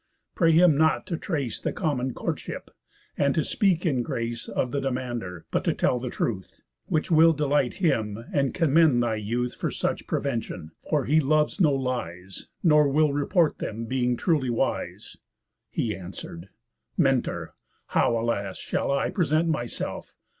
Pray him not to trace The common courtship, and to speak in grace Of the demander, but to tell the truth; Which will delight him, and commend thy youth For such prevention; for he loves no lies, Nor will report them, being truly wise." He answer'd: "Mentor! how, alas! shall I Present myself?